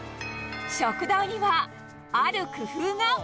食堂にはある工夫が。